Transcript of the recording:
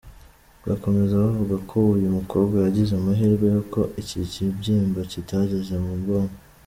Bakomeza bavuga ko uyu mukobwa, yagize amahirwe y’uko iki kibyimba kitageze mu bwonko.